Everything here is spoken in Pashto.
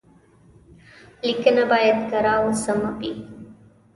ليکنه بايد کره او سمه وي.